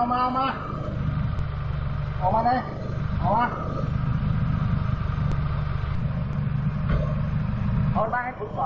เอามาหน่อยเอามา